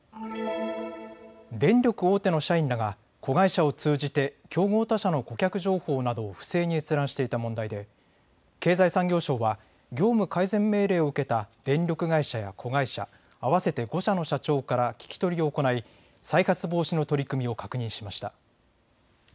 電力大手の社員らが子会社を通じて競合他社の顧客情報などを不正に閲覧していた問題で経済産業省は業務改善命令を受けた電力会社や子会社合わせて５社の社長から聞き取りを行い再発防止の取り組みを確認しました。